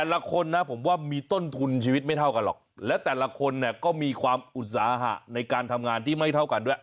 ละคนนะผมว่ามีต้นทุนชีวิตไม่เท่ากันหรอกและแต่ละคนเนี่ยก็มีความอุตสาหะในการทำงานที่ไม่เท่ากันด้วย